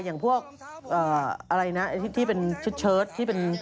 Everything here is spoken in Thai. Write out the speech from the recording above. อย่างพวกอะไรนะที่เป็นเชิ้ตเชื้ส